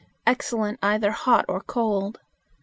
Excellent either hot or cold.